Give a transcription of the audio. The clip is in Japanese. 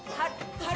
あれ？